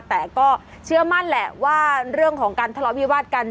แต่ก็เชื่อมั่นแหละว่าเรื่องของการทะเลาะวิวาสกัน